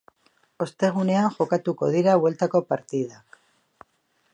Ostegunean jokatuko dira bueltako partidak.